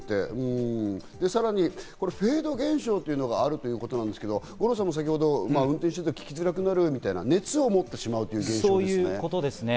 さらにフェード現象というのがあるということですけど、五郎さんも先ほど運転していて、利きづらくなるみたいな、熱を持ってしまうという現象ですね。